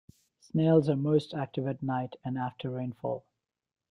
Snails are most active at night and after rainfall.